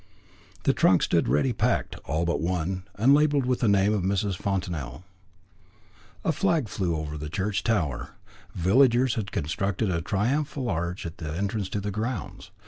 The trunks stood ready packed, all but one, and labelled with the name of Mrs. Fontanel. A flag flew on the church tower. The villagers had constructed a triumphal arch at the entrance to the grounds.